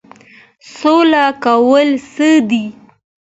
سوله کول څه دي؟